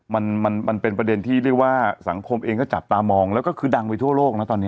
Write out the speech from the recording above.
มันมันเป็นประเด็นที่เรียกว่าสังคมเองก็จับตามองแล้วก็คือดังไปทั่วโลกนะตอนนี้